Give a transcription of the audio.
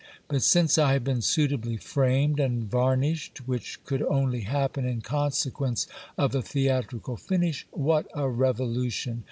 But since I have been suitably framed and varnished, which could only happen in consequence of a theatrical finish, what a revolution